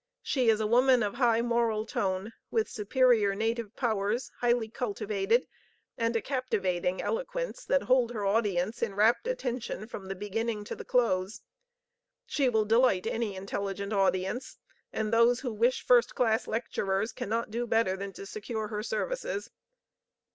She is a woman of high moral tone, with superior native powers highly cultivated, and a captivating eloquence that hold her audience in rapt attention from the beginning to the close. She will delight any intelligent audience, and those who wish first class lecturers cannot do better than to secure her services."